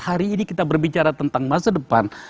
hari ini kita berbicara tentang masa depan